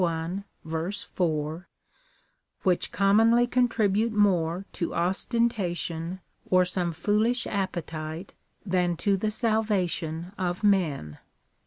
4,) which com monly contribute more to ostentation, or some foolish appe tite, than to the salvation of men.